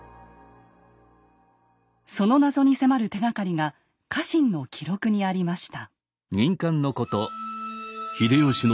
その謎に迫る手がかりが家臣の記録にありました。